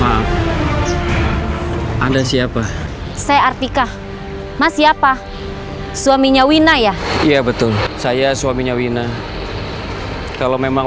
ah anda siapa saya artika mas siapa suaminya wina ya iya betul saya suaminya wina kalau memang